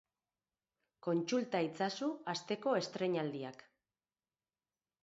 Kontsulta itzazu asteko estreinaldiak.